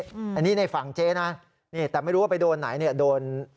อันนี้ในฝั่งเจ๊นะนี่แต่ไม่รู้ว่าไปโดนไหนเนี่ยโดน